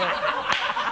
ハハハ